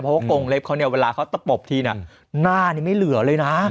เพราะว่ากงเล็บเขาเนี่ยเวลาเขาตะปบทีเนี่ยหน้านี้ไม่เหลือเลยนะ